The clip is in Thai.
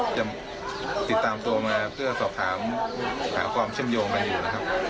จะติดตามตัวมาเพื่อสอบถามหาความเชื่อมโยงกันอยู่นะครับ